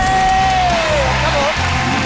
เย้ครับผม